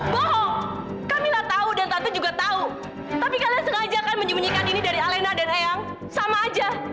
bohong kami tak tahu dan tante juga tahu tapi kalian sengaja kan menyembunyikan ini dari alena dan eyang sama aja